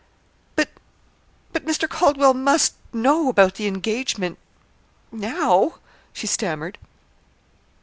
"But but Mr. Calderwell must know about the engagement now," she stammered.